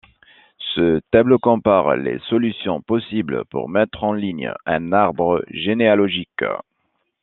Ce tableau compare les solutions possibles pour mettre en ligne un arbre généalogique.